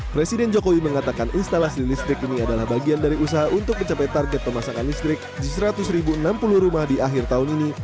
presiden jokowi mengatakan instalasi listrik ini adalah bagian dari usaha untuk mencapai target pemasangan listrik di seratus enam puluh rumah di akhir tahun ini